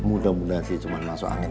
mudah mudahan dia cuma masuk angin